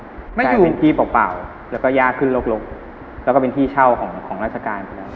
แจ้งเป็นที่เปล่าแล้วก็ยากขึ้นลกแล้วก็เป็นที่เช่าของรัฐการณ์